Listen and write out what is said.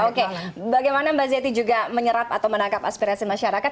oke bagaimana mbak zeti juga menyerap atau menangkap aspirasi masyarakat